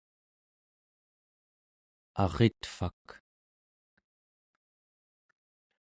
aritvak